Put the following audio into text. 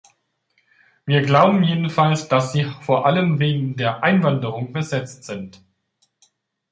Wir glauben jedenfalls, dass sie vor allem wegen der Einwanderung besetzt sind.